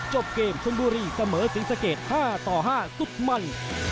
จบเกมชนบุรีเสมอศรีสะเกด๕ต่อ๕สุดมัน